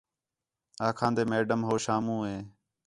آکھان٘دے میڈم ہو شامو ہے